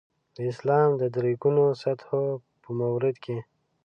د اسلام د درې ګونو سطحو په مورد کې.